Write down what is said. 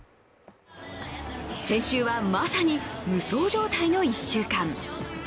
先週はまさに、無双状態の１週間。